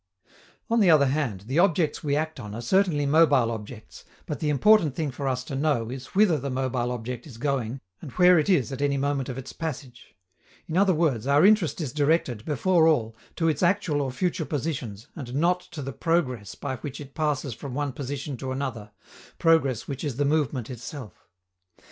_ On the other hand, the objects we act on are certainly mobile objects, but the important thing for us to know is whither the mobile object is going and where it is at any moment of its passage. In other words, our interest is directed, before all, to its actual or future positions, and not to the progress by which it passes from one position to another, progress which is the movement itself.